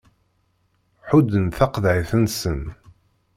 Ḥudden taqeḍεit-nsen.